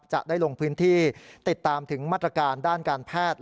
จะได้ลงพื้นที่ติดตามถึงมาตรการด้านการแพทย์